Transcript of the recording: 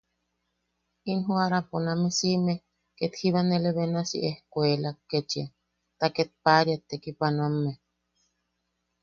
In joʼarapo name siʼime, ket jiba nele benasi, ejkuelak kechia, ta ket paʼariat tekipanoame.